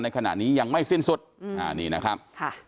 ขณะนี้ยังไม่สิ้นสุดนี่นะครับ